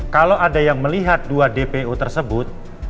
kalau ada yang melihat dua dpo tersebut